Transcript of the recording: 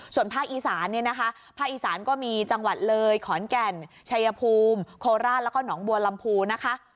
ส่วนภาคอีสานเนี่ยนะคะภาคอีสานก็มีจังหวัดเลยขอนแก่นชัยภูมิโคราชแล้วก็หนองบัวลำพูนะคะ